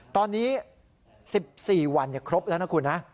ตอนนี้๑๔วันครบแล้วนะคุณนะ